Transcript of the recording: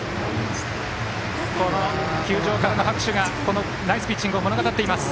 この球場からの拍手がナイスピッチングを物語っています。